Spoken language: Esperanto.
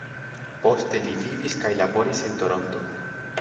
Poste li vivis kaj laboris en Toronto.